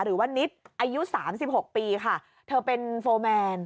หรือว่านิดอายุ๓๖ปีค่ะเธอเป็นโฟร์แมน